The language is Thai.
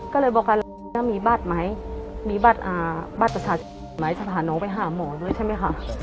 ก็เลยบอกกันแล้วมีบัตรไหมมีบัตรประชาชนไหมจะพาน้องไปหาหมอด้วยใช่ไหมคะ